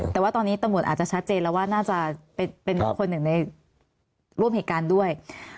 แต่ว่าตอนนี้ตำรวจอาจจะชัดเจนแล้วว่าน่าจะเป็นคนหนึ่งในร่วมเหตุการณ์ด้วย